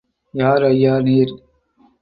யார் ஐயா, நீர்?